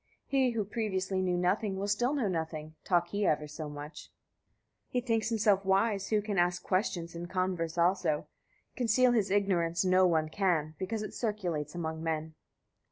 He who previously knew nothing will still know nothing, talk he ever so much. 28. He thinks himself wise, who can ask questions and converse also; conceal his ignorance no one can, because it circulates among men.